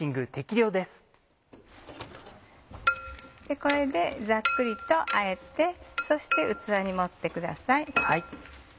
これでざっくりとあえてそして器に盛ってください。